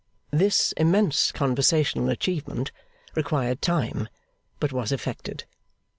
This immense conversational achievement required time, but was effected.